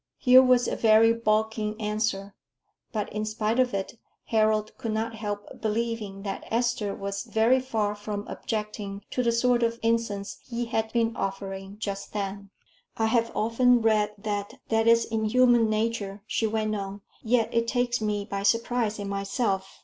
Here was a very baulking answer, but in spite of it Harold could not help believing that Esther was very far from objecting to the sort of incense he had been offering just then. "I have often read that that is in human nature," she went on, "yet it takes me by surprise in myself.